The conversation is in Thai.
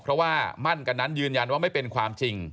เพราะว่ามั่นกันนั้นยืนยันว่าไม่เป็นความจริง